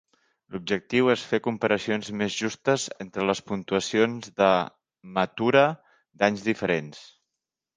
L'objectiu és fer comparacions més justes entre les puntuacions de Matura d'anys diferents.